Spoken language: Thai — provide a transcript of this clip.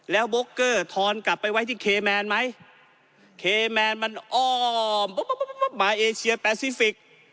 แล้วโบกเกอร์ทอนกลับไปไว้ที่เคแมนไหมเคแมนมันอ้อมมาเอเชียแปซิฟิก